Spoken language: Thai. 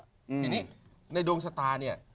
ทีนี้ในดวงชะตาเนี่ย